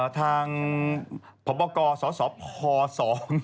ทางพบกสศคส